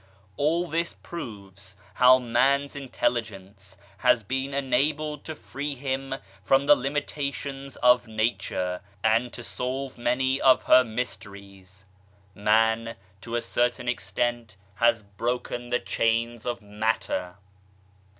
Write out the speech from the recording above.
All this proves how man's Intelligence has been enabled to free him from the limitations of Nature, and to solve many of her mysteries. Man, to a certain ex tent, has broken the chains of matter.